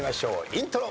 イントロ。